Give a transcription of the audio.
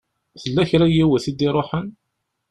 Tella kra n yiwet i d-iṛuḥen?